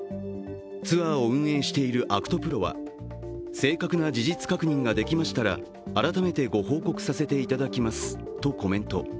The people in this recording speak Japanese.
ツアーを運営しているアクトプロは、正確な事実確認ができましたら改めてご報告させていただきますとコメント。